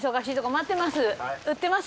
待ってます。